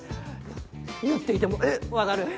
酔っていてもウッ分かる。